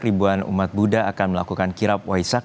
ribuan umat buddha akan melakukan kirap waisak